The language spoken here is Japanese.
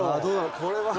これは。